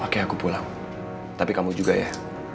oke aku pulang tapi kamu juga ya